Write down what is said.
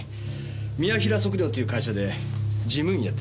宮平測量という会社で事務員やってます。